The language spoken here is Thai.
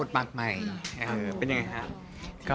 พี่วิ่งครับ